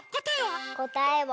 こたえは？